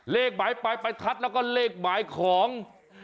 เลขหมายความปรัชดิ์แล้วก็เลขหมายของ